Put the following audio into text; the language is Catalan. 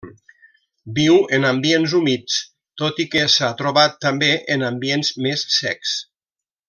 Viu en ambients humits, tot i que s'ha trobat també en ambients més secs.